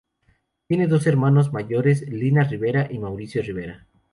Tiene dos hermanos mayores Lina Rivera y Mauricio Rivera.